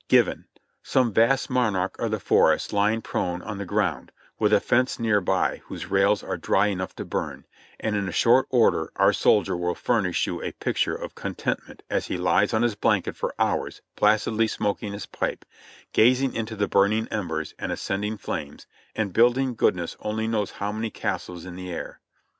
Given : some vast monarch of the forest lying prone on the ground, with a fence near by whose rails are dry enough to burn, and in a short while our soldier will furnish you a picture of con tentment as he lies on his blanket for hours placidly smoking his pipe, gazing into the burning embers and ascending flames, and building goodness only knows how many castles in the air.